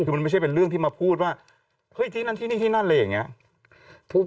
คือมันไม่ใช่เป็นเรื่องที่มาพูดว่าเฮ้ยที่นั่นที่นี่ที่นั่นอะไรอย่างนี้